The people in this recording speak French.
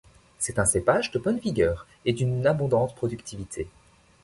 C'est un cépage de bonne vigueur et d'une abondante productivité.